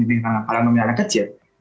di dalam kecil